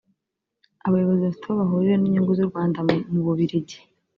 abayobozi bafite aho bahurira n’inyungu z’u Rwanda mu Bubiligi